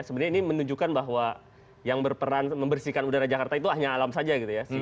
sebenarnya ini menunjukkan bahwa yang berperan membersihkan udara jakarta itu hanya alam saja gitu ya